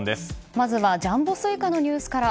まずはジャンボスイカのニュースから。